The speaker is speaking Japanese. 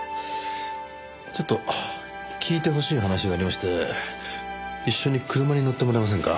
ちょっと聞いてほしい話がありまして一緒に車に乗ってもらえませんか？